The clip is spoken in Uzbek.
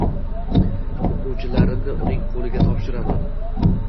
O‘quvchilarimni uning qo‘liga topshiraman.